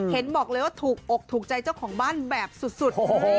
เห็นบอกเลยว่าถูกอกถูกใจเจ้าของบ้านแบบสุด